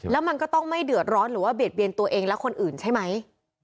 แล้วมันก็ต้องไม่เดือดร้อนหรือว่าเบียดเบียนตัวเองและคนอื่นใช่ไหม